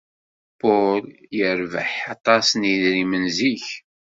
Paul yerbeḥ aṭas n yedrimen zik.